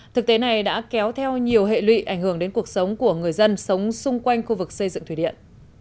thực tế này đã kéo theo nhiều hệ lụy ảnh hưởng đến cuộc sống của người dân sống xung quanh khu vực xây dựng thủy điện